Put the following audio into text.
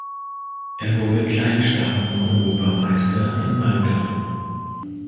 Er wurde Kleinstaaten-Europameister in Malta.